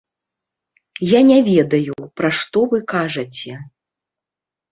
Я не ведаю, пра што вы кажаце.